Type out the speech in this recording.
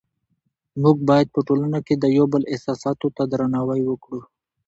موږ باید په ټولنه کې د یو بل احساساتو ته درناوی وکړو